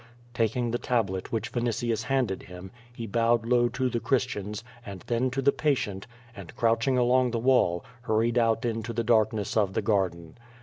Taking the tablet which Vinitius handed him, he bowed low to the Christians, and then to the patient, and crouching along the wall, hurried out into the darkness of the garden.